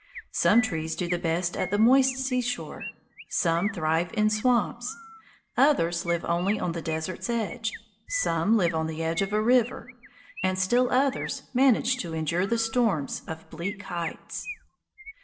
Some trees do the best at the moist seashore; some thrive in swamps; others live only on the desert's edge; some live on the edge of a river; and still others manage to endure the storms of bleak heights.